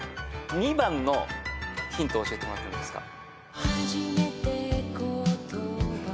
２番のヒント教えてもらってもいいですか？